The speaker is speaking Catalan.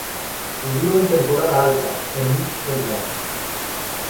Ho diu en temporada alta, enmig del mar.